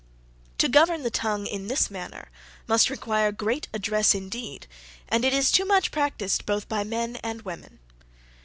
To govern the tongue in this manner must require great address indeed; and it is too much practised both by men and women.